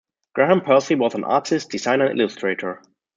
Graham Percy was an artist, designer and illustrator.